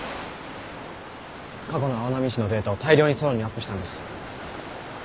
過去の青波市のデータを大量にソロンにアップしたんです。